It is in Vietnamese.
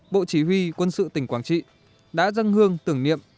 bộ chỉ huy quân sự tỉnh quảng trị đã dâng hương tưởng niệm